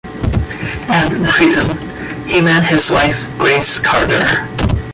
At Wheaton, he met his wife Grace Carder.